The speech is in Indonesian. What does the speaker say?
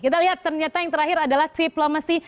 kita lihat ternyata yang terakhir adalah triplomacy